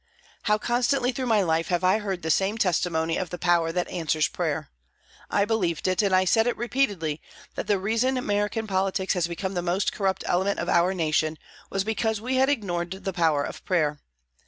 How constantly through my life have I heard the same testimony of the power that answers prayer. I believed it, and I said it repeatedly, that the reason American politics had become the most corrupt element of our nation was because we had ignored the power of prayer.